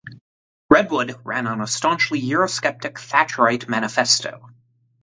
Redwood ran on a staunchly Eurosceptic Thatcherite manifesto.